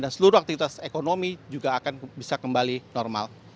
dan seluruh aktivitas ekonomi juga akan bisa kembali normal